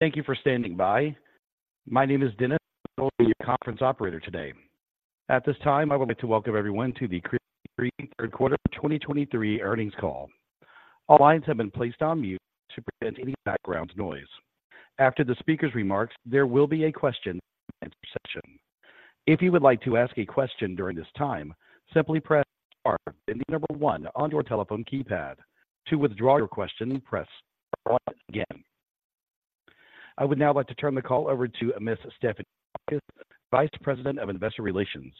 Thank you for standing by. My name is Dennis, your conference operator today. At this time, I would like to welcome everyone to the Krispy Kreme Third Quarter 2023 Earnings Call. All lines have been placed on mute to prevent any background noise. After the speaker's remarks, there will be a question-and-answer session. If you would like to ask a question during this time, simply press star then the number one on your telephone keypad. To withdraw your question, press star one again. I would now like to turn the call over to Ms. Stephanie Daukus, Vice President of Investor Relations.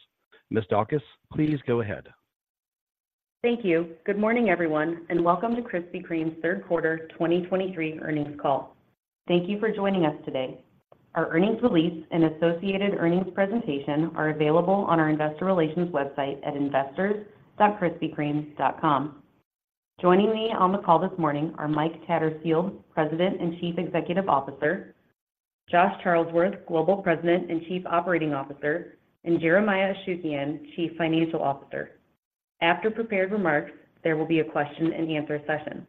Ms. Daukus, please go ahead. Thank you. Good morning, everyone, and welcome to Krispy Kreme's Third Quarter 2023 Earnings Call. Thank you for joining us today. Our earnings release and associated earnings presentation are available on our investor relations website at investors.krispykreme.com. Joining me on the call this morning are Mike Tattersfield, President and Chief Executive Officer, Josh Charlesworth, Global President and Chief Operating Officer, and Jeremiah Ashukian, Chief Financial Officer. After prepared remarks, there will be a question-and-answer session.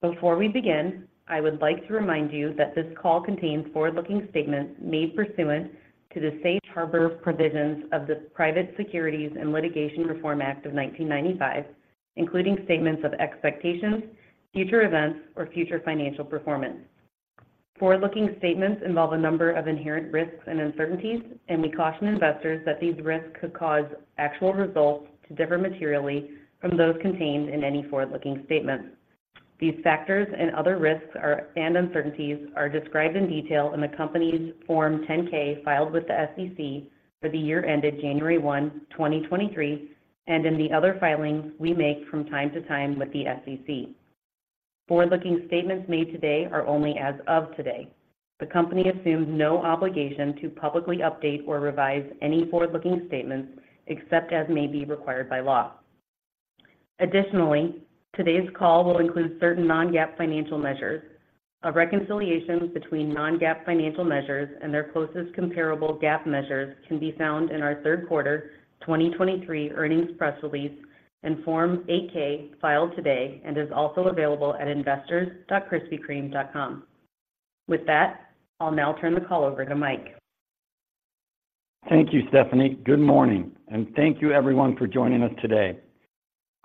Before we begin, I would like to remind you that this call contains forward-looking statements made pursuant to the Safe Harbor Provisions of the Private Securities Litigation Reform Act of 1995, including statements of expectations, future events, or future financial performance. Forward-looking statements involve a number of inherent risks and uncertainties, and we caution investors that these risks could cause actual results to differ materially from those contained in any forward-looking statements. These factors and other risks and uncertainties are described in detail in the company's Form 10-K, filed with the SEC for the year ended 1 January 2023, and in the other filings we make from time to time with the SEC. Forward-looking statements made today are only as of today. The company assumes no obligation to publicly update or revise any forward-looking statements, except as may be required by law. Additionally, today's call will include certain non-GAAP financial measures. A reconciliation between non-GAAP financial measures and their closest comparable GAAP measures can be found in our third quarter 2023 earnings press release and Form 8-K, filed today, and is also available at investors.krispykreme.com. With that, I'll now turn the call over to Mike. Thank you, Stephanie. Good morning, and thank you everyone for joining us today.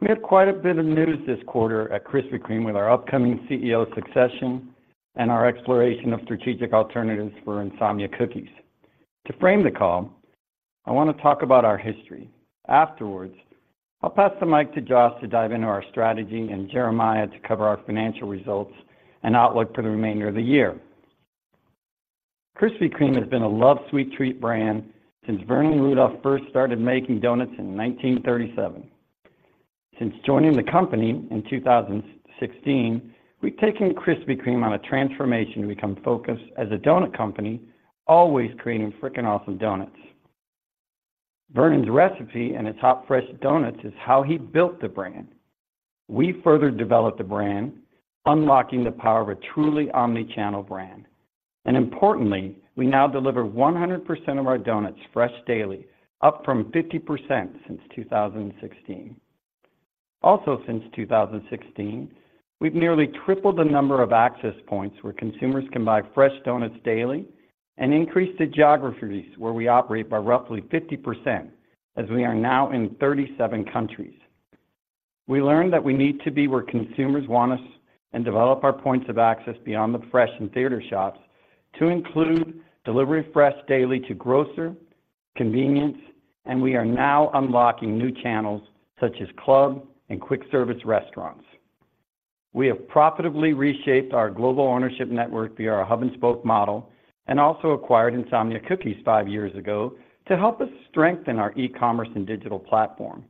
We have quite a bit of news this quarter at Krispy Kreme with our upcoming CEO succession and our exploration of strategic alternatives for Insomnia Cookies. To frame the call, I want to talk about our history. Afterwards, I'll pass the mic to Josh to dive into our strategy and Jeremiah to cover our financial results and outlook for the remainder of the year. Krispy Kreme has been a loved sweet treat brand since Vernon Rudolph first started making donuts in 1937. Since joining the company in 2016, we've taken Krispy Kreme on a transformation to become focused as a donut company, always creating freaking awesome donuts. Vernon's recipe and his hot, fresh donuts is how he built the brand. We further developed the brand, unlocking the power of a truly omni-channel brand. Importantly, we now deliver 100% of our donuts fresh daily, up from 50% since 2016. Also, since 2016, we've nearly tripled the number of access points where consumers can buy fresh donuts daily and increased the geographies where we operate by roughly 50%, as we are now in 37 countries. We learned that we need to be where consumers want us and develop our points of access beyond the fresh and theater shops to include Delivered Fresh Daily to grocers, convenience, and we are now unlocking new channels such as club and quick service restaurants. We have profitably reshaped our global ownership network via our hub-and-spoke model, and also acquired Insomnia Cookies five years ago to help us strengthen our e-commerce and digital platform.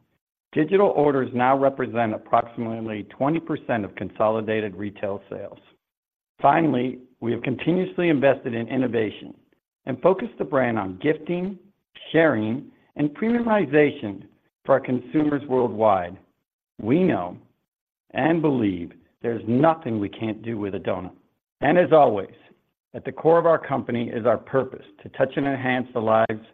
Digital orders now represent approximately 20% of consolidated retail sales. Finally, we have continuously invested in innovation and focused the brand on gifting, sharing, and premiumization for our consumers worldwide. We know and believe there's nothing we can't do with a donut. As always, at the core of our company is our purpose, to touch and enhance the lives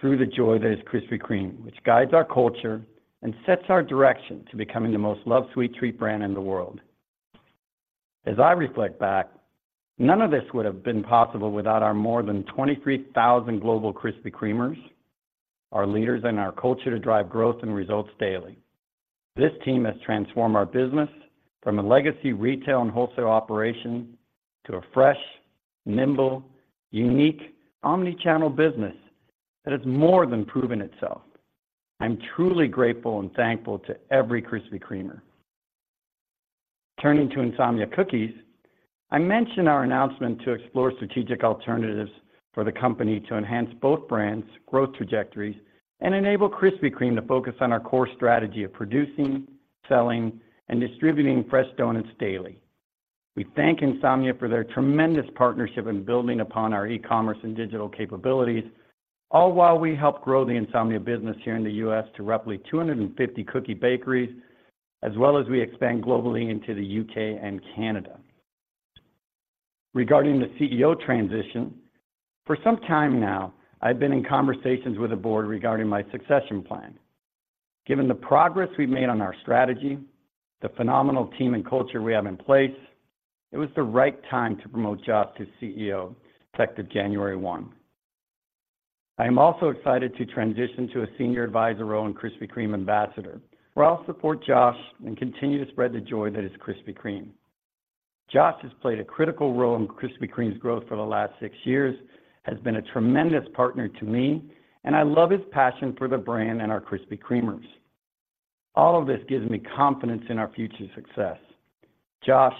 through the joy that is Krispy Kreme, which guides our culture and sets our direction to becoming the most loved sweet treat brand in the world. As I reflect back, none of this would have been possible without our more than 23,000 global Krispy Kremers, our leaders, and our culture to drive growth and results daily. This team has transformed our business from a legacy retail and wholesale operation to a fresh, nimble, unique, omni-channel business that has more than proven itself. I'm truly grateful and thankful to every Krispy Kremer. Turning to Insomnia Cookies, I mentioned our announcement to explore strategic alternatives for the company to enhance both brands' growth trajectories and enable Krispy Kreme to focus on our core strategy of producing, selling, and distributing fresh donuts daily. We thank Insomnia for their tremendous partnership in building upon our e-commerce and digital capabilities, all while we help grow the Insomnia business here in the U.S. to roughly 250 cookie bakeries, as well as we expand globally into the U.K. and Canada. Regarding the CEO transition, for some time now, I've been in conversations with the board regarding my succession plan.... Given the progress we've made on our strategy, the phenomenal team and culture we have in place, it was the right time to promote Josh to CEO, effective January 1. I am also excited to transition to a senior advisor role in Krispy Kreme Ambassador, where I'll support Josh and continue to spread the joy that is Krispy Kreme. Josh has played a critical role in Krispy Kreme's growth for the last six years, has been a tremendous partner to me, and I love his passion for the brand and our Krispy Kremers. All of this gives me confidence in our future success. Josh,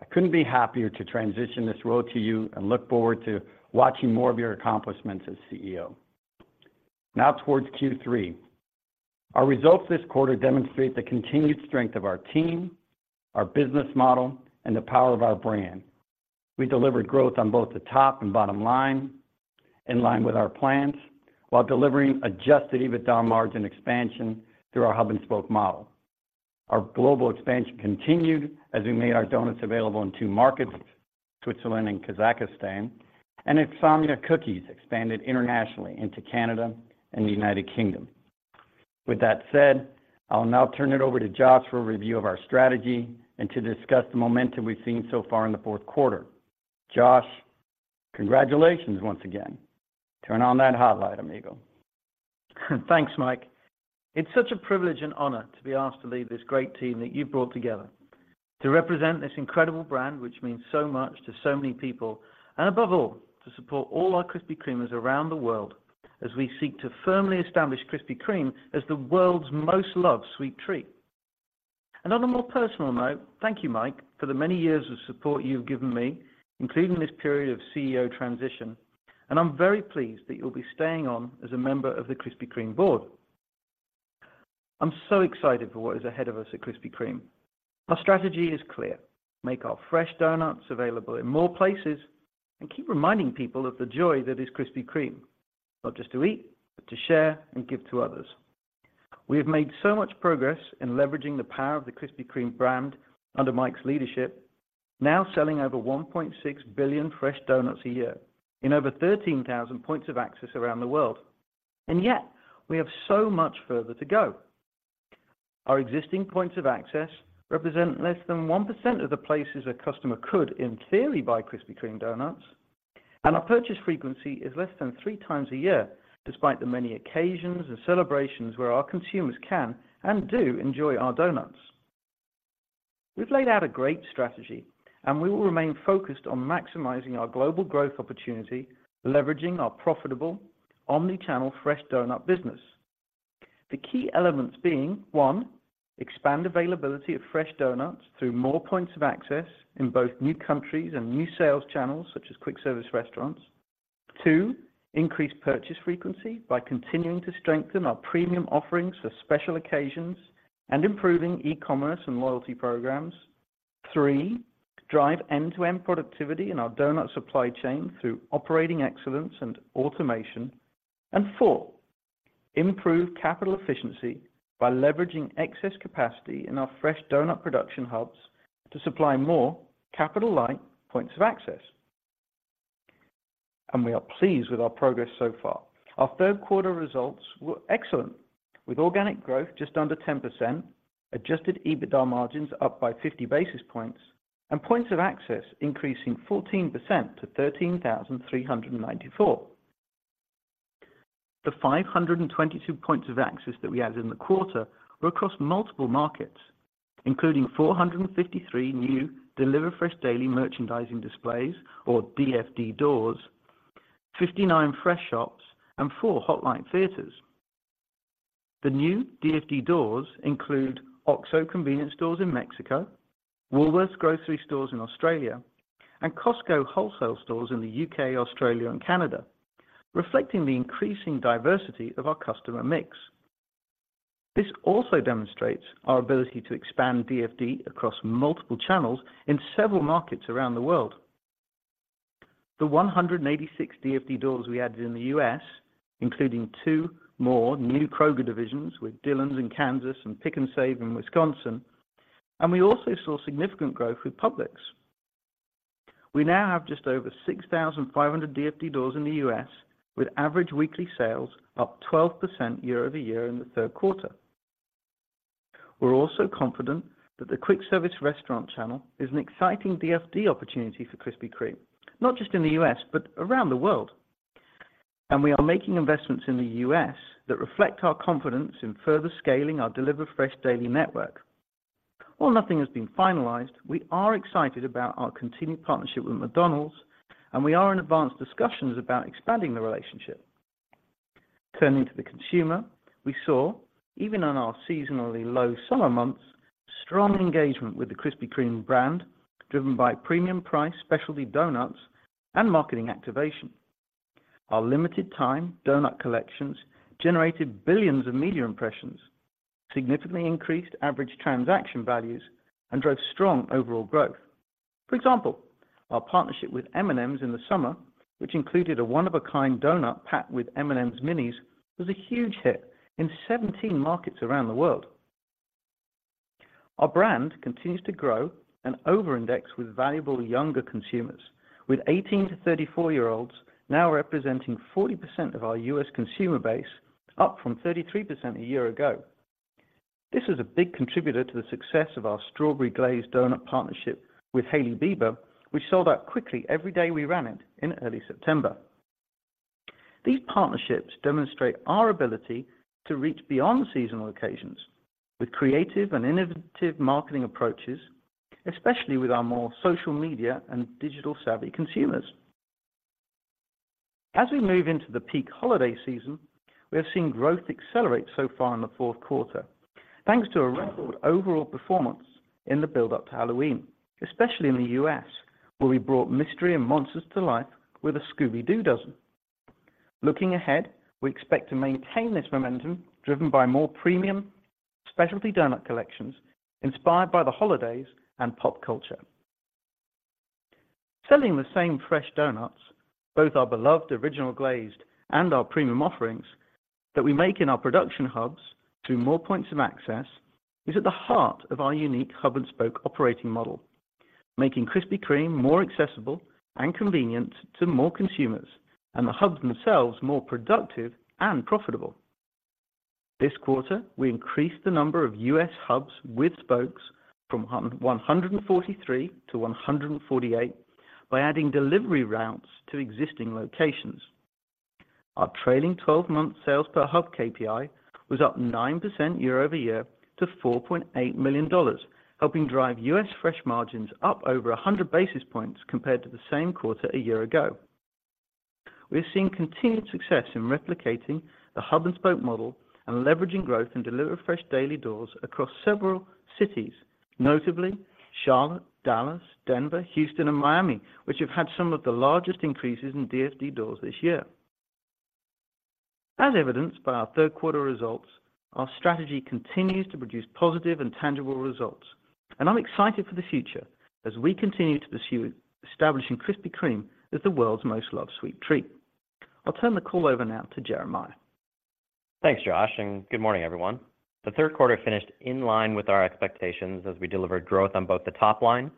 I couldn't be happier to transition this role to you and look forward to watching more of your accomplishments as CEO. Now, toward Q3. Our results this quarter demonstrate the continued strength of our team, our business model, and the power of our brand. We delivered growth on both the top and bottom line, in line with our plans, while delivering Adjusted EBITDA margin expansion through our hub-and-spoke model. Our global expansion continued as we made our donuts available in two markets, Switzerland and Kazakhstan, and Insomnia Cookies expanded internationally into Canada and the United Kingdom. With that said, I'll now turn it over to Josh for a review of our strategy and to discuss the momentum we've seen so far in the fourth quarter. Josh, congratulations once again. Turn on that Hot Light amigo. Thanks, Mike. It's such a privilege and honor to be asked to lead this great team that you've brought together, to represent this incredible brand, which means so much to so many people, and above all, to support all our Krispy Kremers around the world as we seek to firmly establish Krispy Kreme as the world's most loved sweet treat. On a more personal note, thank you, Mike, for the many years of support you've given me, including this period of CEO transition, and I'm very pleased that you'll be staying on as a member of the Krispy Kreme board. I'm so excited for what is ahead of us at Krispy Kreme. Our strategy is clear: make our fresh donuts available in more places and keep reminding people of the joy that is Krispy Kreme, not just to eat, but to share and give to others. We have made so much progress in leveraging the power of the Krispy Kreme brand under Mike's leadership, now selling over 1.6 billion fresh donuts a year in over 13,000 points of access around the world, and yet, we have so much further to go. Our existing points of access represent less than 1% of the places a customer could, in theory, buy Krispy Kreme donuts, and our purchase frequency is less than three times a year, despite the many occasions and celebrations where our consumers can and do enjoy our donuts. We've laid out a great strategy, and we will remain focused on maximizing our global growth opportunity, leveraging our profitable Omni-channel fresh donut business. The key elements being, one, expand availability of fresh donuts through more points of access in both new countries and new sales channels, such as quick service restaurants. Two increase purchase frequency by continuing to strengthen our premium offerings for special occasions and improving e-commerce and loyalty programs. Three, drive end-to-end productivity in our donut supply chain through operating excellence and automation. And four, improve capital efficiency by leveraging excess capacity in our fresh donut production hubs to supply more capital-light points of access. We are pleased with our progress so far. Our third quarter results were excellent, with organic growth just under 10%, Adjusted EBITDA margins up by 50 basis points, and points of access increasing 14% to 13,394. The 522 points of access that we added in the quarter were across multiple markets, including 453 new Delivered Fresh Daily merchandising displays or DFD doors, 59 fresh shops, and four Hot Light theaters. The new DFD doors include OXXO convenience stores in Mexico, Woolworths grocery stores in Australia, and Costco Wholesale stores in the U.K., Australia, and Canada, reflecting the increasing diversity of our customer mix. This also demonstrates our ability to expand DFD across multiple channels in several markets around the world. The 186 DFD doors we added in the U.S., including two more new Kroger divisions with Dillons in Kansas and Pick 'n Save in Wisconsin, and we also saw significant growth with Publix. We now have just over 6,500 DFD doors in the U.S., with average weekly sales up 12% year-over-year in the third quarter. We're also confident that the quick service restaurant channel is an exciting DFD opportunity for Krispy Kreme, not just in the U.S., but around the world. We are making investments in the U.S. that reflect our confidence in further scaling our Delivered Fresh Daily network. While nothing has been finalized, we are excited about our continued partnership with McDonald's, and we are in advanced discussions about expanding the relationship. Turning to the consumer, we saw, even on our seasonally low summer months, strong engagement with the Krispy Kreme brand, driven by premium price, specialty donuts, and marketing activation. Our limited time donut collections generated billions of media impressions, significantly increased average transaction values, and drove strong overall growth. For example, our partnership with M&M's in the summer, which included a one of a kind donut packed with M&M's Minis, was a huge hit in 17 markets around the world. Our brand continues to grow and over-index with valuable younger consumers, with 18- to 34-year-olds now representing 40% of our U.S. consumer base, up from 33% a year ago. This is a big contributor to the success of our Strawberry Glazed donut partnership with Hailey Bieber, which sold out quickly every day we ran it in early September. These partnerships demonstrate our ability to reach beyond seasonal occasions with creative and innovative marketing approaches, especially with our more social media and digital-savvy consumers. As we move into the peak holiday season, we have seen growth accelerate so far in the fourth quarter, thanks to a record overall performance in the build-up to Halloween, especially in the U.S., where we brought mystery and monsters to life with a Scooby-Doo dozen. Looking ahead, we expect to maintain this momentum, driven by more premium specialty donut collections inspired by the holidays and pop culture. Selling the same fresh donuts, both our beloved original glazed and our premium offerings, that we make in our production hubs through more points of access, is at the heart of our unique hub-and-spoke operating model, making Krispy Kreme more accessible and convenient to more consumers, and the hubs themselves more productive and profitable. This quarter, we increased the number of U.S. hubs with spokes from 143 to 148 by adding delivery routes to existing locations. Our trailing twelve-month sales per hub KPI was up 9% year-over-year to $4.8 million, helping drive U.S. fresh margins up over 100 basis points compared to the same quarter a year ago. We have seen continued success in replicating the hub-and-spoke model and leveraging Delivered Fresh Daily doors across several cities, notably Charlotte, Dallas, Denver, Houston, and Miami, which have had some of the largest increases in DFD doors this year. As evidenced by our third quarter results, our strategy continues to produce positive and tangible results, and I'm excited for the future as we continue to pursue establishing Krispy Kreme as the world's most loved sweet treat. I'll turn the call over now to Jeremiah. Thanks, Josh, and good morning, everyone. The third quarter finished in line with our expectations as we delivered growth on both the top line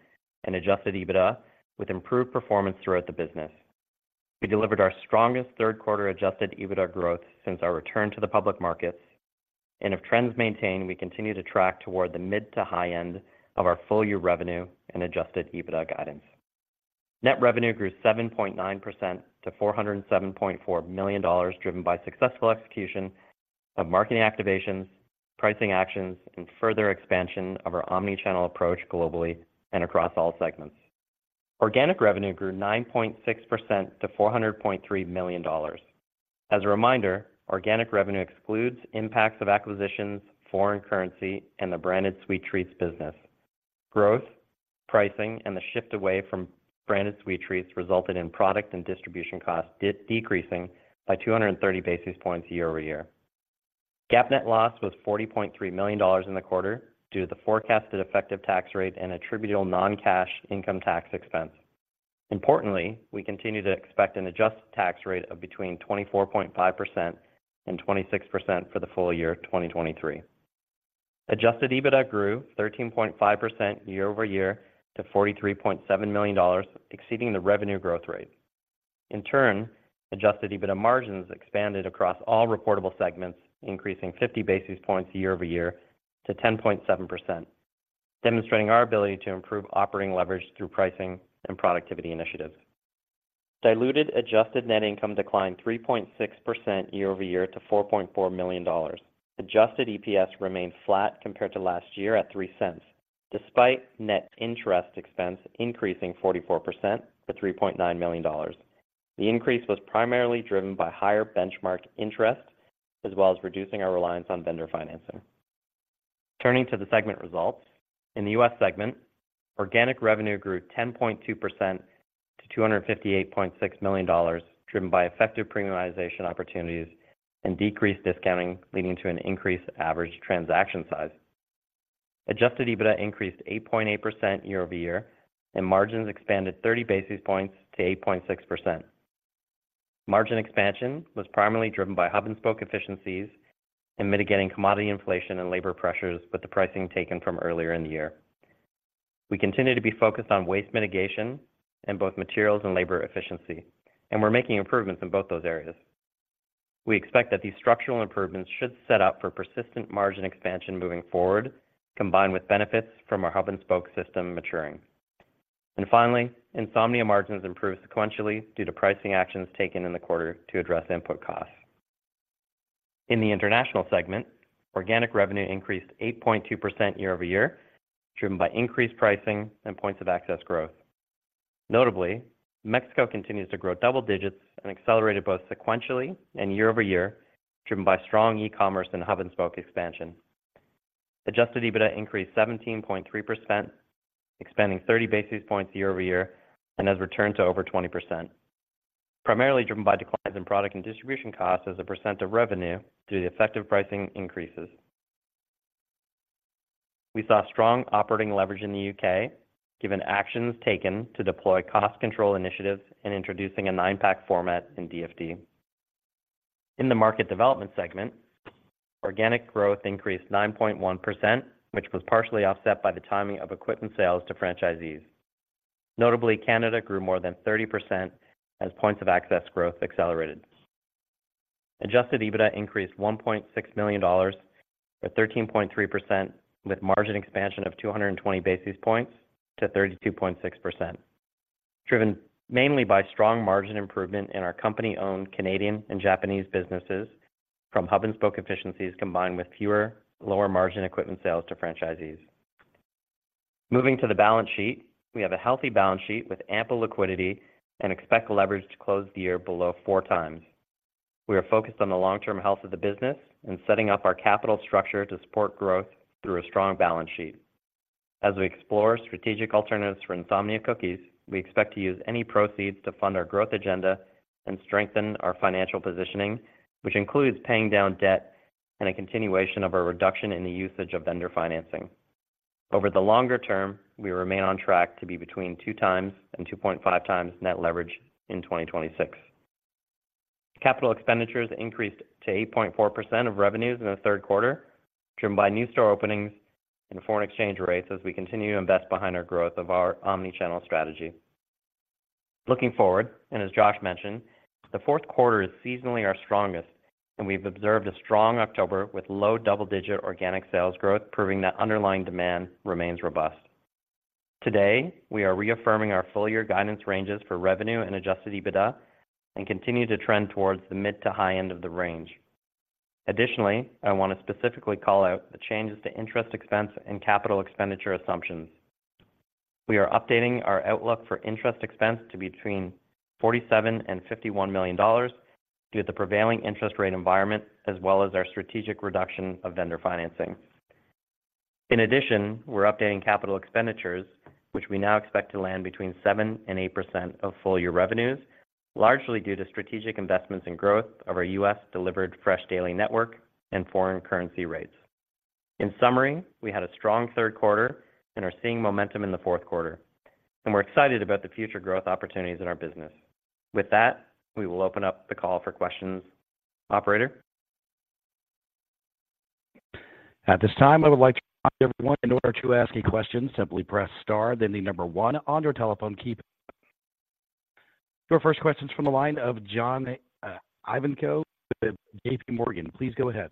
and Adjusted EBITDA, with improved performance throughout the business. We delivered our strongest third quarter Adjusted EBITDA growth since our return to the public markets, and if trends maintain, we continue to track toward the mid to high end of our full year revenue and Adjusted EBITDA guidance. Net revenue grew 7.9% to $407.4 million, driven by successful execution of marketing activations, pricing actions, and further expansion of our Omni-channel approach globally and across all segments. Organic revenue grew 9.6% to $400.3 million. As a reminder, Organic revenue excludes impacts of acquisitions, foreign currency, and the branded sweet treats business. Growth, pricing, and the shift away from branded sweet treats resulted in product and distribution costs decreasing by 230 basis points year-over-year. GAAP net loss was $40.3 million in the quarter due to the forecasted effective tax rate and attributable non-cash income tax expense. Importantly, we continue to expect an adjusted tax rate of between 24.5% and 26% for the full year of 2023. Adjusted EBITDA grew 13.5% year-over-year to $43.7 million, exceeding the revenue growth rate. In turn, adjusted EBITDA margins expanded across all reportable segments, increasing 50 basis points year-over-year to 10.7%, demonstrating our ability to improve operating leverage through pricing and productivity initiatives. Diluted adjusted net income declined 3.6% year-over-year to $4.4 million. Adjusted EPS remained flat compared to last year at $0.03, despite net interest expense increasing 44% to $3.9 million. The increase was primarily driven by higher benchmark interest, as well as reducing our reliance on vendor financing. Turning to the segment results, in the U.S. segment, organic revenue grew 10.2% to $258.6 million, driven by effective premiumization opportunities and decreased discounting, leading to an increased average transaction size. Adjusted EBITDA increased 8.8% year-over-year, and margins expanded 30 basis points to 8.6%. Margin expansion was primarily driven by hub-and-spoke efficiencies and mitigating commodity inflation and labor pressures with the pricing taken from earlier in the year. We continue to be focused on waste mitigation in both materials and labor efficiency, and we're making improvements in both those areas. We expect that these structural improvements should set up for persistent margin expansion moving forward, combined with benefits from our hub-and-spoke system maturing. And finally, Insomnia margins improved sequentially due to pricing actions taken in the quarter to address input costs. In the international segment, organic revenue increased 8.2% year-over-year, driven by increased pricing and points of access growth. Notably, Mexico continues to grow double digits and accelerated both sequentially and year-over-year, driven by strong e-commerce and hub-and-spoke expansion. Adjusted EBITDA increased 17.3%, expanding 30 basis points year-over-year, and has returned to over 20%, primarily driven by declines in product and distribution costs as a percent of revenue due to the effective pricing increases. We saw strong operating leverage in the U.K., given actions taken to deploy cost control initiatives and introducing a 9-pack format in DFD. In the market development segment, organic growth increased 9.1%, which was partially offset by the timing of equipment sales to franchisees. Notably, Canada grew more than 30% as points of access growth accelerated. Adjusted EBITDA increased $1.6 million, or 13.3%, with margin expansion of 220 basis points to 32.6%, driven mainly by strong margin improvement in our company-owned Canadian and Japanese businesses from hub-and-spoke efficiencies, combined with fewer lower margin equipment sales to franchisees. Moving to the balance sheet, we have a healthy balance sheet with ample liquidity and expect leverage to close the year below 4x. We are focused on the long-term health of the business and setting up our capital structure to support growth through a strong balance sheet. As we explore strategic alternatives for Insomnia Cookies, we expect to use any proceeds to fund our growth agenda and strengthen our financial positioning, which includes paying down debt and a continuation of our reduction in the usage of vendor financing. Over the longer term, we remain on track to be between 2 times and 2.5 times net leverage in 2026. Capital expenditures increased to 8.4% of revenues in the third quarter, driven by new store openings and foreign exchange rates as we continue to invest behind our growth of our Omni-channel strategy. Looking forward, and as Josh mentioned, the fourth quarter is seasonally our strongest, and we've observed a strong October with low double-digit organic sales growth, proving that underlying demand remains robust. Today, we are reaffirming our full-year guidance ranges for revenue and adjusted EBITDA and continue to trend towards the mid to high end of the range. Additionally, I want to specifically call out the changes to interest expense and capital expenditure assumptions. We are updating our outlook for interest expense to be between $47 million and $51 million due to the prevailing interest rate environment, as well as our strategic reduction of vendor financing. In addition, we're updating capital expenditures, which we now expect to land between 7% and 8% of full-year revenues, largely due to strategic investments in growth of our U.S. Delivered Fresh Daily network and foreign currency rates. In summary, we had a strong third quarter and are seeing momentum in the fourth quarter, and we're excited about the future growth opportunities in our business. With that, we will open up the call for questions. Operator? At this time, I would like to remind everyone, in order to ask a question, simply press star, then the number one on your telephone keypad. Your first question's from the line of John Ivankoe with JPMorgan. Please go ahead.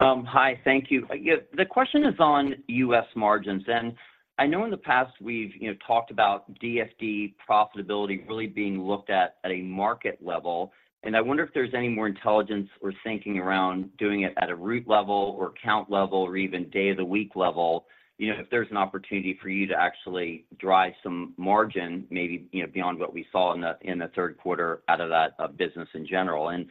Hi, thank you. Yeah, the question is on U.S. margins, and I know in the past we've, you know, talked about DFD profitability really being looked at at a market level, and I wonder if there's any more intelligence or thinking around doing it at a route level or count level or even day of the week level, you know, if there's an opportunity for you to actually drive some margin, maybe, you know, beyond what we saw in the third quarter out of that business in general. And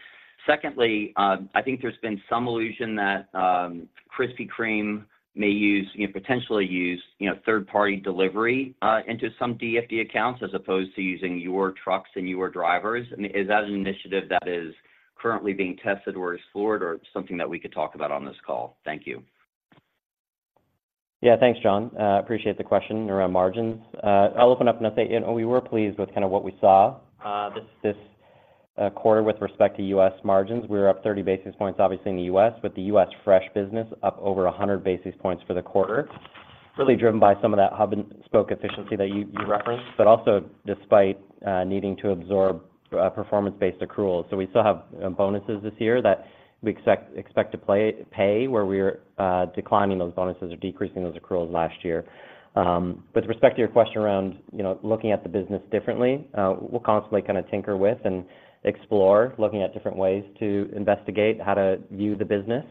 secondly, I think there's been some illusion that Krispy Kreme may potentially use, you know, third-party delivery into some DFD accounts, as opposed to using your trucks and your drivers. I mean, is that an initiative that is currently being tested or explored or something that we could talk about on this call? Thank you. Yeah, thanks, John. Appreciate the question around margins. I'll open up and say, you know, we were pleased with kind of what we saw this quarter with respect to U.S. margins. We were up 30 basis points, obviously, in the U.S., with the U.S. fresh business up over 100 basis points for the quarter, really driven by some of that hub and spoke efficiency that you referenced, but also despite needing to absorb performance-based accruals. So we still have bonuses this year that we expect to pay, where we're declining those bonuses or decreasing those accruals last year. With respect to your question around, you know, looking at the business differently, we'll constantly kind of tinker with and explore, looking at different ways to investigate how to view the business.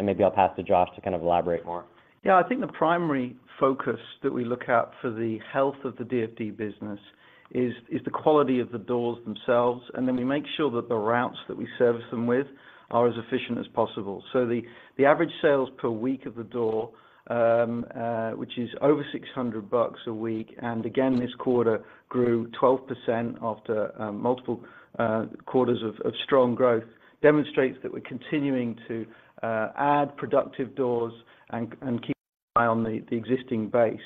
Maybe I'll pass to Josh to kind of elaborate more. Yeah, I think the primary focus that we look at for the health of the DFD business is the quality of the doors themselves, and then we make sure that the routes that we service them with are as efficient as possible. So the average sales per week of the door, which is over $600 a week, and again, this quarter grew 12% after multiple quarters of strong growth, demonstrates that we're continuing to add productive doors and keep an eye on the existing base.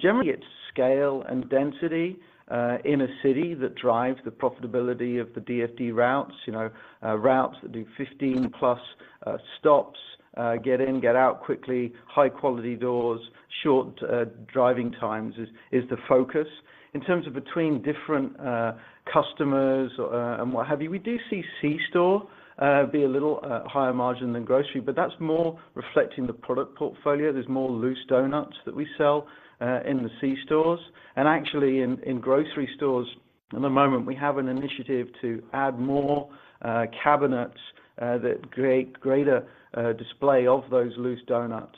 Generally, it's scale and density in a city that drives the profitability of the DFD routes. You know, routes that do 15+ stops get in, get out quickly, high quality doors, short driving times is the focus. In terms of between different customers and what have you, we do see C store be a little higher margin than grocery, but that's more reflecting the product portfolio. There's more loose donuts that we sell in the C stores. And actually, in grocery stores at the moment, we have an initiative to add more cabinets that create greater display of those loose donuts.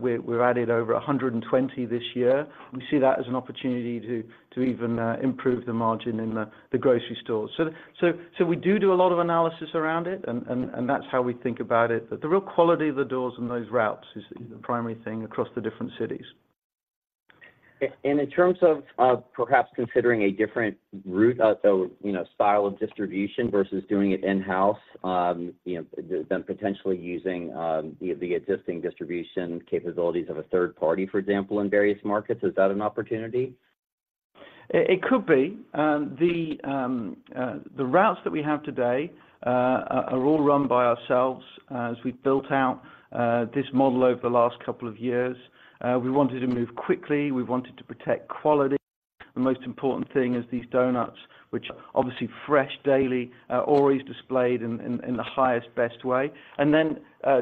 We've added over 120 this year. We see that as an opportunity to even improve the margin in the grocery stores. So we do a lot of analysis around it, and that's how we think about it. But the real quality of the doors and those routes is the primary thing across the different cities. In terms of perhaps considering a different route, so, you know, style of distribution versus doing it in-house, you know, then potentially using the existing distribution capabilities of a third party, for example, in various markets, is that an opportunity? It could be the routes that we have today are all run by ourselves. As we built out this model over the last couple of years, we wanted to move quickly, we wanted to protect quality. The most important thing is these donuts, which are obviously fresh daily, are always displayed in the highest, best way, and then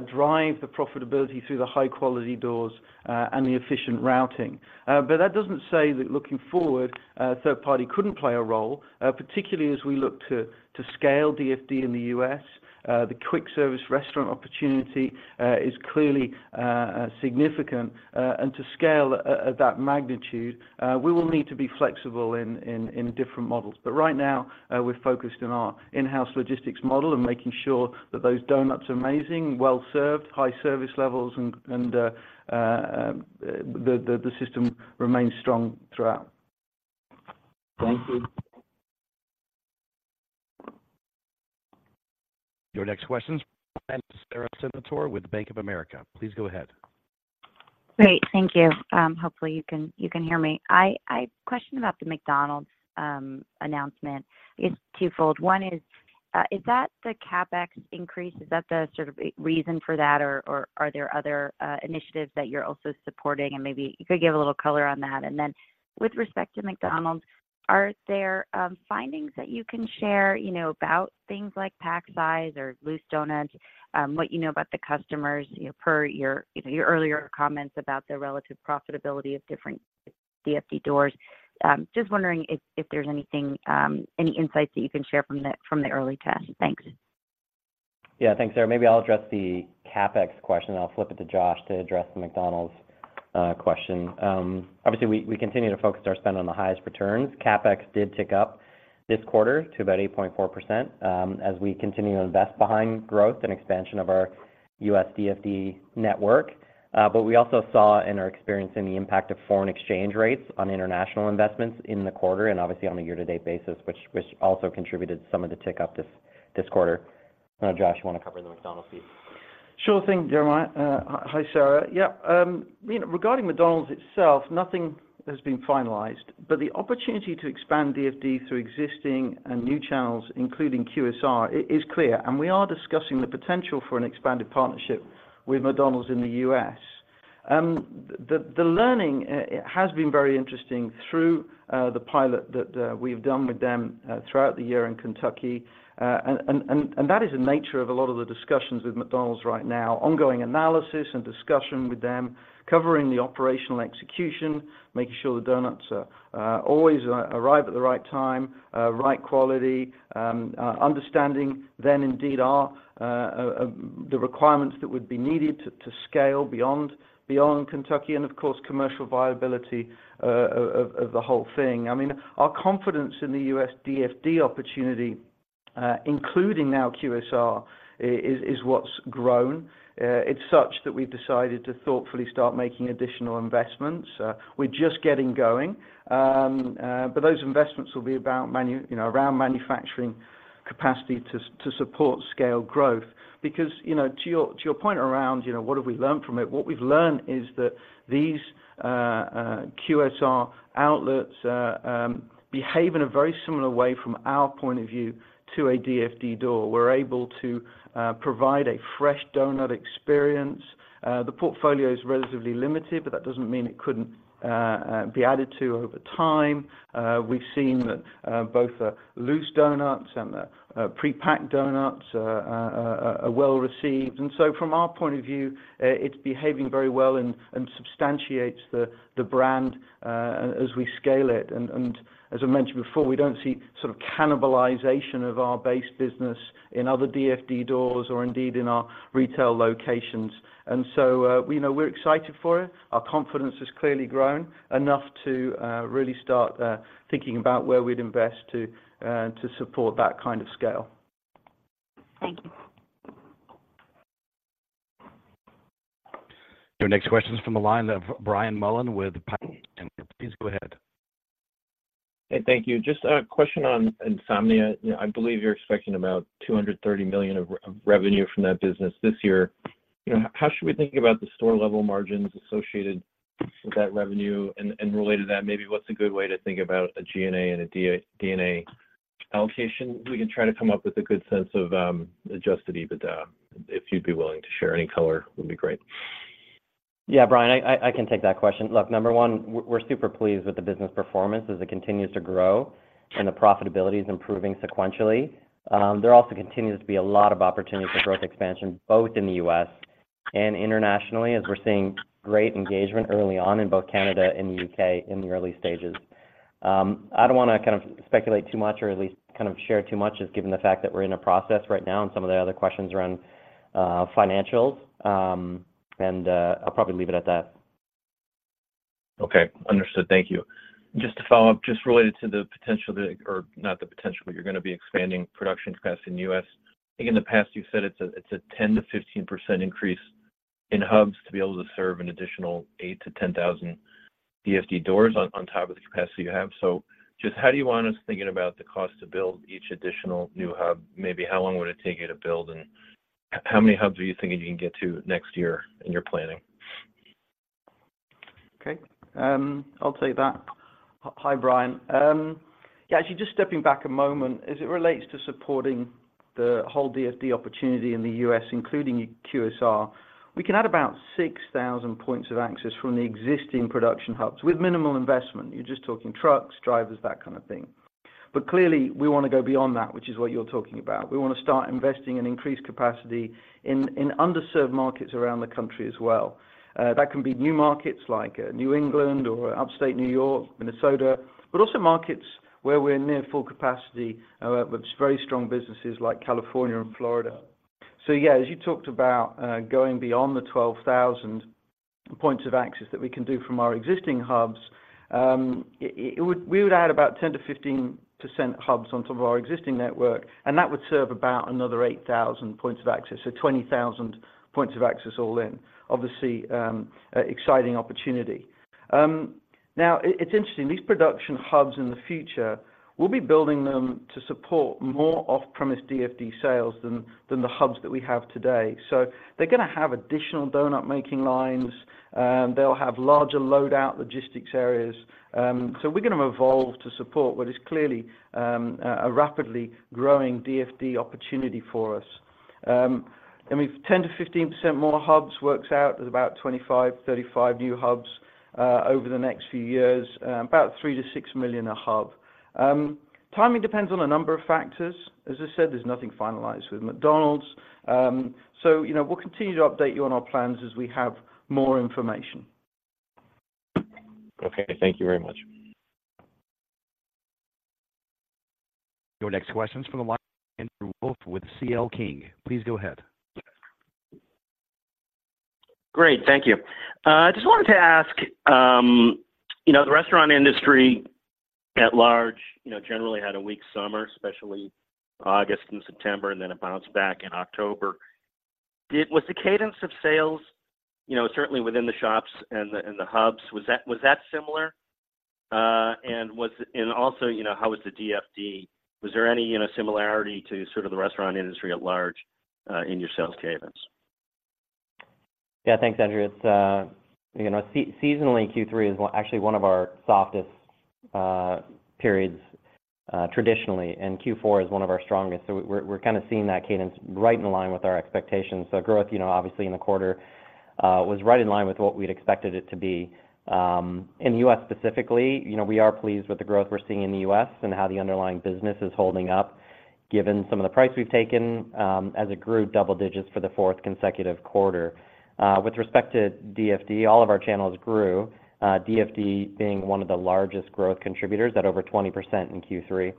drive the profitability through the high quality doors and the efficient routing. But that doesn't say that looking forward, a third party couldn't play a role, particularly as we look to scale DFD in the U.S. The quick service restaurant opportunity is clearly significant. And to scale at that magnitude, we will need to be flexible in different models. But right now, we're focused on our in-house logistics model and making sure that those donuts are amazing, well served, high service levels, and the system remains strong throughout. Thank you. Your next question is from Sara Senatore with Bank of America. Please go ahead. Great, thank you. Hopefully you can hear me. Question about the McDonald's announcement. It's twofold. One is, is that the CapEx increase, is that the sort of reason for that, or are there other initiatives that you're also supporting? And maybe you could give a little color on that. And then, with respect to McDonald's, are there findings that you can share, you know, about things like pack size or loose donuts, what you know about the customers, you know, per your, you know, your earlier comments about the relative profitability of different DFD doors? Just wondering if there's anything, any insights that you can share from the early test? Thanks. Yeah, thanks, Sarah. Maybe I'll address the CapEx question, and I'll flip it to Josh to address the McDonald's question. Obviously, we, we continue to focus our spend on the highest returns. CapEx did tick up this quarter to about 8.4%, as we continue to invest behind growth and expansion of our U.S. DFD network. But we also saw in our experience in the impact of foreign exchange rates on international investments in the quarter, and obviously on a year-to-date basis, which, which also contributed some of the tick-up this, this quarter. Josh, you want to cover the McDonald's piece? Sure thing, Jeremiah. Hi, Sarah. Yeah, you know, regarding McDonald's itself, nothing has been finalized, but the opportunity to expand DFD through existing and new channels, including QSR, is clear, and we are discussing the potential for an expanded partnership with McDonald's in the U.S. The learning has been very interesting through the pilot that we've done with them throughout the year in Kentucky. And that is the nature of a lot of the discussions with McDonald's right now. Ongoing analysis and discussion with them, covering the operational execution, making sure the donuts always arrive at the right time, right quality, understanding then indeed the requirements that would be needed to scale beyond Kentucky, and of course, commercial viability of the whole thing. I mean, our confidence in the US DFD opportunity, including now QSR, is what's grown. It's such that we've decided to thoughtfully start making additional investments. We're just getting going, but those investments will be about you know, around manufacturing capacity to support scale growth. Because, you know, to your point around, you know, what have we learned from it? What we've learned is that these QSR outlets behave in a very similar way from our point of view to a DFD door. We're able to provide a fresh donut experience. The portfolio is relatively limited, but that doesn't mean it couldn't be added to over time. We've seen that both the loose donuts and the prepacked donuts are well received. And so from our point of view, it's behaving very well and substantiates the brand as we scale it. And as I mentioned before, we don't see sort of cannibalization of our base business in other DFD doors or indeed in our retail locations. And so we know we're excited for it. Our confidence has clearly grown enough to really start thinking about where we'd invest to support that kind of scale. Thank you. Your next question is from the line of Brian Mullan with Piper Sandler, and please go ahead. Hey, thank you. Just a question on Insomnia. You know, I believe you're expecting about $230 million of revenue from that business this year. You know, how should we think about the store-level margins associated with that revenue? And related to that, maybe what's a good way to think about a G&A and a D&A allocation? We can try to come up with a good sense of Adjusted EBITDA, if you'd be willing to share any color. Would be great. Yeah, Brian, I can take that question. Look, number one, we're super pleased with the business performance as it continues to grow and the profitability is improving sequentially. There also continues to be a lot of opportunity for growth expansion, both in the U.S. and internationally, as we're seeing great engagement early on in both Canada and the U.K. in the early stages. I don't want to kind of speculate too much, or at least kind of share too much, just given the fact that we're in a process right now and some of the other questions around financials. I'll probably leave it at that. Okay, understood. Thank you. Just to follow up, just related to the potential or not the potential, but you're going to be expanding production capacity in the U.S. I think in the past you've said it's a, it's a 10%-15% increase in hubs to be able to serve an additional 8,000-10,000 DFD doors on top of the capacity you have. So just how do you want us thinking about the cost to build each additional new hub? Maybe how long would it take you to build, and how many hubs are you thinking you can get to next year in your planning? Okay, I'll take that. Hi, Brian. Yeah, actually just stepping back a moment, as it relates to supporting the whole DFD opportunity in the U.S., including QSR, we can add about 6,000 points of access from the existing production hubs with minimal investment. You're just talking trucks, drivers, that kind of thing. But clearly, we want to go beyond that, which is what you're talking about. We want to start investing in increased capacity in underserved markets around the country as well. That can be new markets like New England or Upstate New York, Minnesota, but also markets where we're near full capacity with very strong businesses like California and Florida. So yeah, as you talked about, going beyond the 12,000 points of access that we can do from our existing hubs, it would, we would add about 10%-15% hubs on top of our existing network, and that would serve about another 8,000 points of access. So 20,000 points of access all in. Obviously, exciting opportunity. Now, it's interesting, these production hubs in the future, we'll be building them to support more off-premise DFD sales than the hubs that we have today. So they're gonna have additional donut making lines, they'll have larger load-out logistics areas. So we're gonna evolve to support what is clearly, a rapidly growing DFD opportunity for us. I mean, 10%-15% more hubs works out to about 25-35 new hubs over the next few years, about $3 million to $6 million a hub. Timing depends on a number of factors. As I said, there's nothing finalized with McDonald's. So, you know, we'll continue to update you on our plans as we have more information. Okay, thank you very much. Your next question is from the line of Andrew Wolf with CL King. Please go ahead. Great, thank you. I just wanted to ask, you know, the restaurant industry at large, you know, generally had a weak summer, especially August and September, and then it bounced back in October. Did-- Was the cadence of sales, you know, certainly within the shops and the, and the hubs, was that, was that similar? And was-- and also, you know, how was the DFD? Was there any, you know, similarity to sort of the restaurant industry at large, in your sales cadence? Yeah, thanks, Andrew. It's you know, seasonally, Q3 is one, actually one of our softest periods, traditionally, and Q4 is one of our strongest. So we're, we're kind of seeing that cadence right in line with our expectations. So growth, you know, obviously in the quarter, was right in line with what we'd expected it to be. In the U.S. specifically, you know, we are pleased with the growth we're seeing in the U.S. and how the underlying business is holding up, given some of the price we've taken, as it grew double digits for the fourth consecutive quarter. With respect to DFD, all of our channels grew, DFD being one of the largest growth contributors at over 20% in Q3.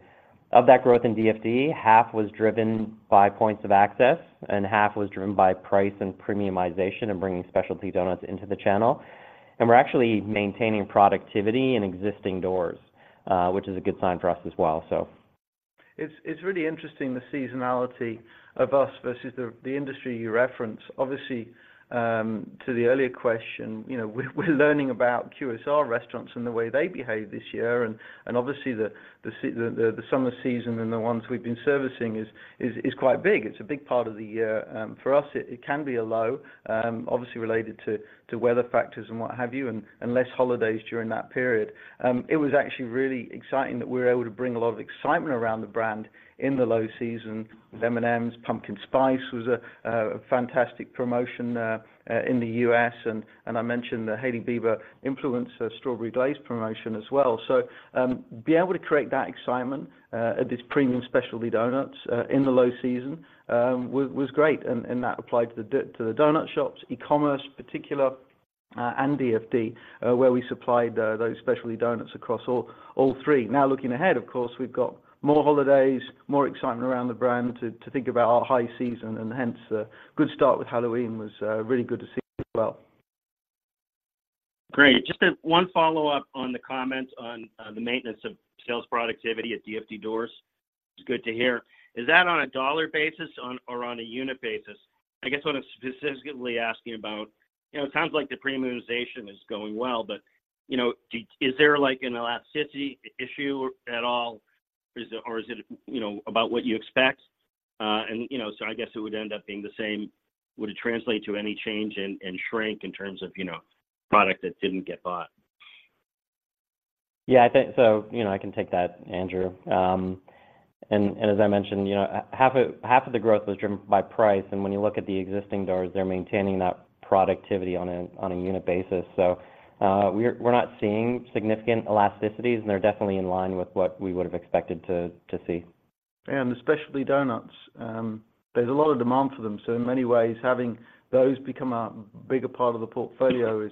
Of that growth in DFD, half was driven by points of access, and half was driven by price and premiumization and bringing specialty donuts into the channel. We're actually maintaining productivity in existing doors, which is a good sign for us as well, so. It's really interesting, the seasonality of us versus the industry you reference. Obviously, to the earlier question, you know, we're learning about QSR restaurants and the way they behave this year, and obviously the summer season and the ones we've been servicing is quite big. It's a big part of the year. For us, it can be a low, obviously related to weather factors and what have you, and less holidays during that period. It was actually really exciting that we were able to bring a lot of excitement around the brand in the low season, with M&M's. Pumpkin Spice was a fantastic promotion in the U.S., and I mentioned the Hailey Bieber influencer Strawberry Glaze promotion as well. So, being able to create that excitement at this premium specialty donuts in the low season was great, and that applied to the donut shops, e-commerce, particular, and DFD, where we supplied those specialty donuts across all three. Now, looking ahead, of course, we've got more holidays, more excitement around the brand to think about our high season, and hence, good start with Halloween was really good to see as well. Great. Just one follow-up on the comments on the maintenance of sales productivity at DFD doors. It's good to hear. Is that on a dollar basis or on a unit basis? I guess what I'm specifically asking about, you know, it sounds like the premiumization is going well, but, you know, is there like an elasticity issue at all, is it or is it, you know, about what you expect? And, you know, so I guess it would end up being the same. Would it translate to any change in shrink in terms of, you know, product that didn't get bought? Yeah, I think so. You know, I can take that, Andrew. And as I mentioned, you know, half of the growth was driven by price, and when you look at the existing doors, they're maintaining that productivity on a unit basis. So, we're not seeing significant elasticities, and they're definitely in line with what we would have expected to see. The specialty donuts, there's a lot of demand for them, so in many ways, having those become a bigger part of the portfolio is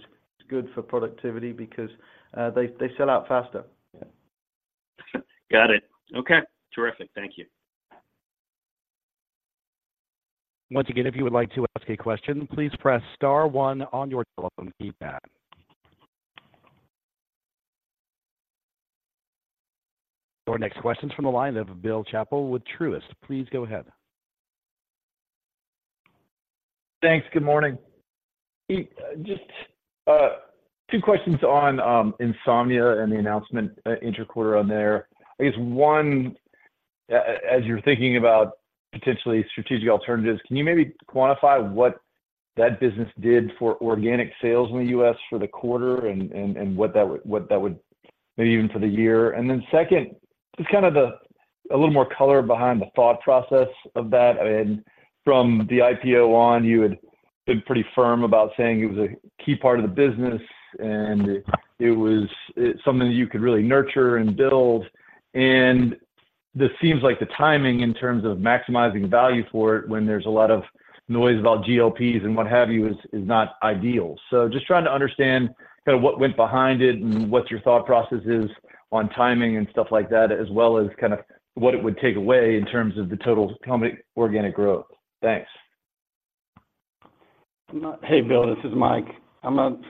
good for productivity because they sell out faster. Got it. Okay, terrific. Thank you. Once again, if you would like to ask a question, please press star one on your telephone keypad. Your next question is from the line of Bill Chappell with Truist. Please go ahead. Thanks. Good morning. Just two questions on Insomnia and the announcement interquarter on there. I guess one as you're thinking about potentially strategic alternatives, can you maybe quantify what that business did for organic sales in the U.S. for the quarter, and what that would maybe even for the year? And then second, just kind of a little more color behind the thought process of that. I mean, from the IPO on, you had been pretty firm about saying it was a key part of the business, and it was, it's something that you could really nurture and build. And this seems like the timing in terms of maximizing value for it when there's a lot of noise about GLPs and what have you is not ideal. Just trying to understand kind of what went behind it and what your thought process is on timing and stuff like that, as well as kind of what it would take away in terms of the total company organic growth. Thanks. Hey, Bill, this is Mike.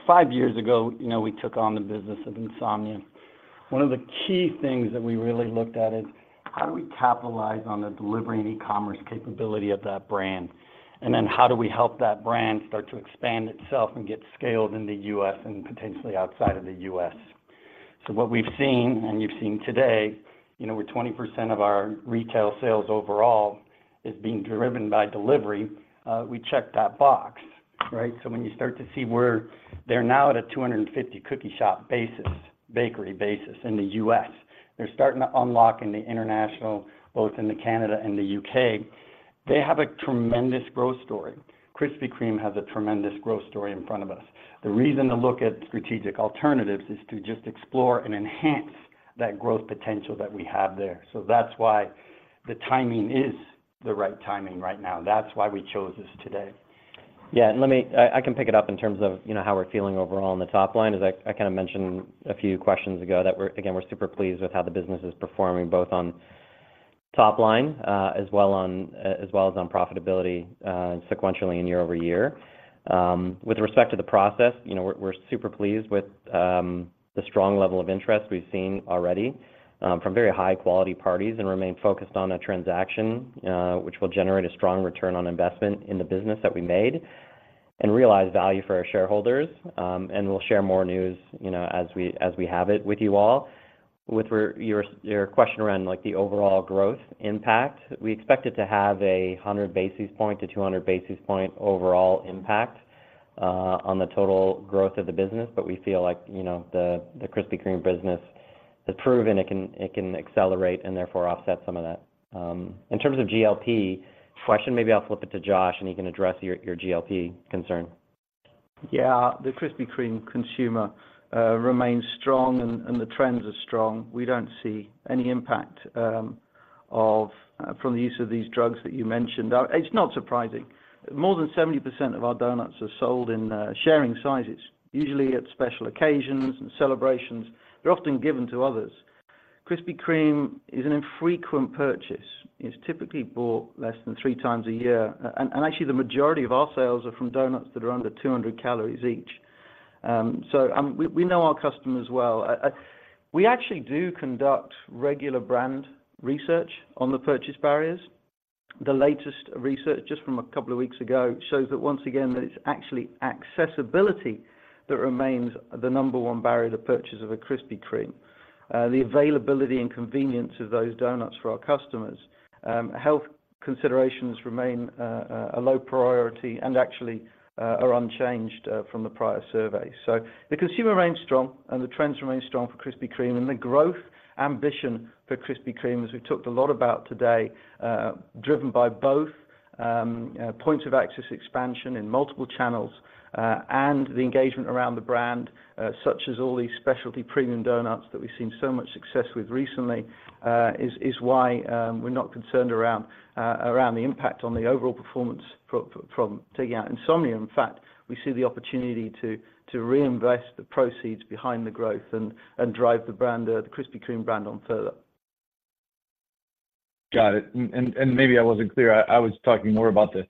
Five years ago, you know, we took on the business of Insomnia. One of the key things that we really looked at is, how do we capitalize on the delivery and e-commerce capability of that brand? And then, how do we help that brand start to expand itself and get scaled in the U.S. and potentially outside of the U.S.? So what we've seen, and you've seen today, you know, where 20% of our retail sales overall is being driven by delivery, we checked that box, right? So when you start to see where they're now at a 250 cookie shop basis, bakery basis in the U.S., they're starting to unlock in the international, both in Canada and the U.K. They have a tremendous growth story. Krispy Kreme has a tremendous growth story in front of us. The reason to look at strategic alternatives is to just explore and enhance that growth potential that we have there. That's why the timing is the right timing right now. That's why we chose this today. Yeah, and let me. I can pick it up in terms of, you know, how we're feeling overall on the top line. As I kind of mentioned a few questions ago, that we're again, we're super pleased with how the business is performing, both on top line, as well as on profitability, sequentially and year over year. With respect to the process, you know, we're super pleased with the strong level of interest we've seen already from very high-quality parties and remain focused on a transaction which will generate a strong return on investment in the business that we made and realize value for our shareholders. And we'll share more news, you know, as we have it with you all. With your question around, like, the overall growth impact, we expect it to have 100 basis point-200 basis point overall impact on the total growth of the business. But we feel like, you know, the Krispy Kreme business is proven, it can accelerate and therefore offset some of that. In terms of GLP question, maybe I'll flip it to Josh, and he can address your GLP concern. Yeah. The Krispy Kreme consumer remains strong and the trends are strong. We don't see any impact from the use of these drugs that you mentioned. It's not surprising. More than 70% of our donuts are sold in sharing sizes, usually at special occasions and celebrations. They're often given to others. Krispy Kreme is an infrequent purchase. It's typically bought less than three times a year. And actually, the majority of our sales are from donuts that are under 200 calories each. So, we know our customers well. We actually do conduct regular brand research on the purchase barriers. The latest research, just from a couple of weeks ago, shows that once again, it's actually accessibility that remains the number one barrier to purchase of a Krispy Kreme. The availability and convenience of those donuts for our customers. Health considerations remain a low priority and actually are unchanged from the prior survey. So the consumer remains strong, and the trends remain strong for Krispy Kreme, and the growth ambition for Krispy Kreme, as we've talked a lot about today, driven by both points of access expansion in multiple channels and the engagement around the brand, such as all these specialty premium donuts that we've seen so much success with recently, is why we're not concerned around the impact on the overall performance from taking out Insomnia. In fact, we see the opportunity to reinvest the proceeds behind the growth and drive the brand, the Krispy Kreme brand on further. Got it. Maybe I wasn't clear. I was talking more about the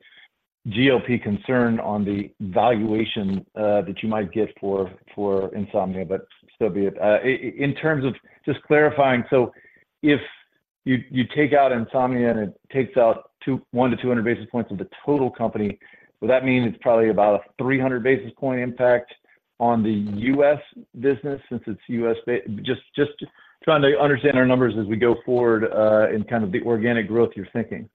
GLP concern on the valuation that you might get for Insomnia, but so be it. In terms of just clarifying, so if you take out Insomnia, and it takes out 1-200 basis points of the total company, would that mean it's probably about a 300 basis point impact on the U.S. business since it's U.S.-based? Trying to understand our numbers as we go forward in kind of the organic growth you're thinking.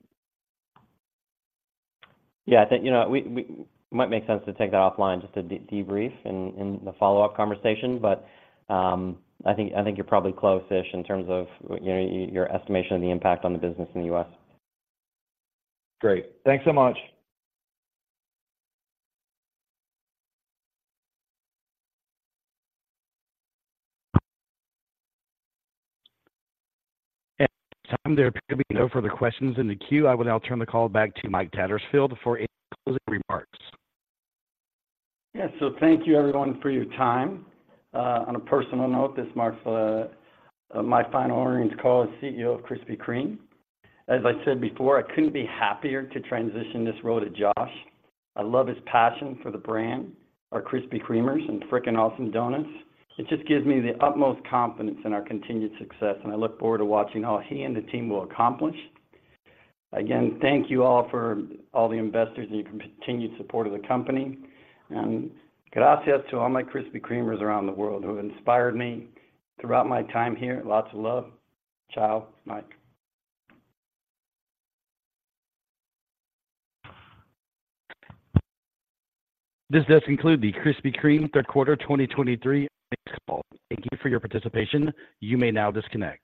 Yeah, I think, you know, we might make sense to take that offline just to debrief in the follow-up conversation. But, I think you're probably close-ish in terms of, you know, your estimation of the impact on the business in the US. Great. Thanks so much. At this time, there appear to be no further questions in the queue. I will now turn the call back to Mike Tattersfield for any closing remarks. Yeah. So thank you, everyone, for your time. On a personal note, this marks my final earnings call as CEO of Krispy Kreme. As I said before, I couldn't be happier to transition this role to Josh. I love his passion for the brand, our Krispy Kremers, and frickin' awesome donuts. It just gives me the utmost confidence in our continued success, and I look forward to watching all he and the team will accomplish. Again, thank you all for all the investors and your continued support of the company. And gracias to all my Krispy Kremers around the world who have inspired me throughout my time here. Lots of love. Ciao, Mike. This does conclude the Krispy Kreme third quarter 2023 earnings call. Thank you for your participation. You may now disconnect.